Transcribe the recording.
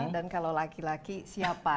dan kalau laki laki siapa